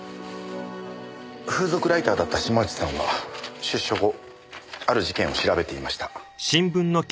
風俗ライターだった島内さんは出所後ある事件を調べていました。